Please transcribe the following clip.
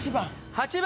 ８番。